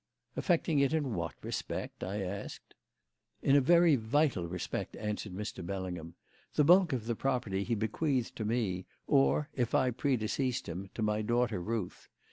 "Affecting it in what respect?" I asked. "In a very vital respect," answered Mr. Bellingham. "The bulk of the property he bequeathed to me, or if I predeceased him, to my daughter Ruth.